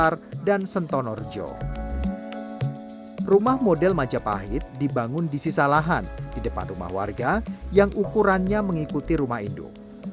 rumah model majapahit dibangun di sisa lahan di depan rumah warga yang ukurannya mengikuti rumah induk